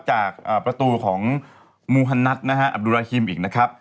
จากประตูของมูฮันนัทนะฮะอับดุราฮิมอีกนะครับ